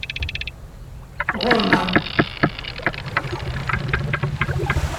Ɣurren-aɣ.